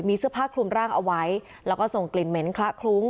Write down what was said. มีเสื้อผ้าคลุมร่างเอาไว้แล้วก็ส่งกลิ่นเหม็นคละคลุ้ง